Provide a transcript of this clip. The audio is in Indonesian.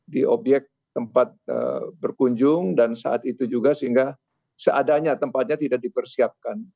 di obyek tempat berkunjung dan saat itu juga sehingga seadanya tempatnya tidak dipersiapkan